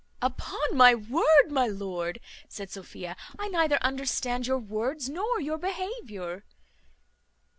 "Upon my word, my lord," said Sophia, "I neither understand your words nor your behaviour."